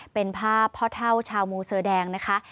เป็นภาพพ่อเท่าชาวมูเซอร์แดงนะคะ